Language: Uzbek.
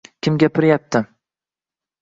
Kim gapiryapti?